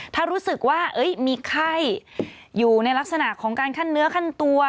ถ้ารู้สึกว่ามีไข้อยู่ในลักษณะของการขั้นเนื้อขั้นตัว